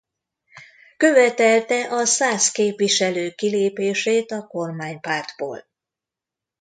Követelte a szász képviselők kilépését a kormánypártból.